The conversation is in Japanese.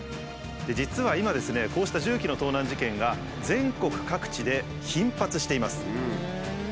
実は今ですねこうした重機の盗難事件が全国各地で頻発しています。